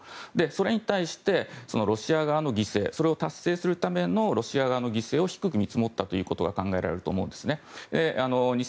それに対して、ロシア側の犠牲それを達成するためのロシア側の犠牲を低く見積もったということが考えられると思うんですね。